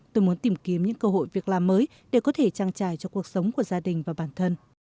tôi muốn tìm kiếm những cơ hội việc làm mới để có thể trang trải cho cuộc sống của gia đình và bản thân